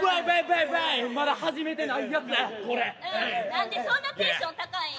何でそんなテンション高いん？